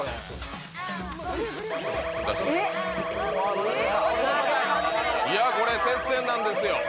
ブルー・いやこれ接戦なんですよ